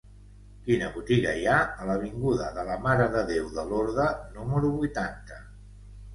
Quina botiga hi ha a l'avinguda de la Mare de Déu de Lorda número vuitanta?